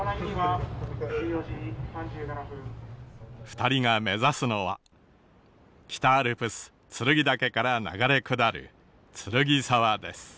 二人が目指すのは北アルプス剱岳から流れ下る剱沢です。